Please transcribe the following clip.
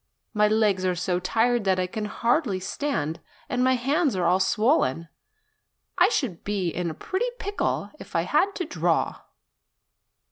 My legs are so tired that I can hardly stand, and my hands are all swollen. I should be in a pretty pickle if I had to draw